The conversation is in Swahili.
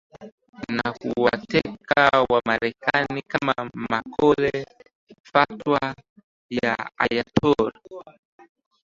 na kuwateka Wamarekani kama makole Fatwa ya Ayatollah